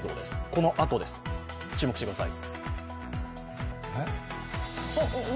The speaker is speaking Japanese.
このあとです、注目してください。